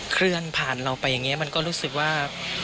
เคลื่อนผ่านเราไปอย่างนี้มันก็รู้สึกว่า